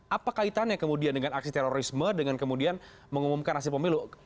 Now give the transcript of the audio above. apa kaitannya kemudian dengan aksi terorisme dengan kemudian mengumumkan hasil pemilu